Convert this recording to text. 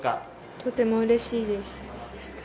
とても嬉しいです。